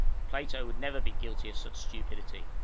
Plato would never be guilty of such stupidity.